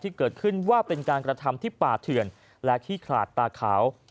ที่เกิดขึ้นว่าเป็นการกระทำที่ป่าเถื่อนและขี้ขลาดตาขาว